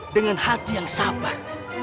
dengan hati yang sabar